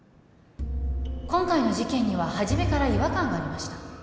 今回の事件には初めから違和感がありました。